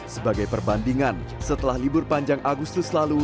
sebagai perbandingan setelah libur panjang agustus lalu